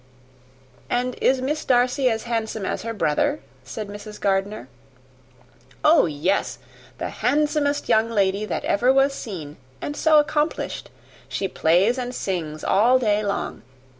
"And is Miss Darcy as handsome as her brother?" said Mr. Gardiner. "Oh, yes the handsomest young lady that ever was seen; and so accomplished! She plays and sings all day long.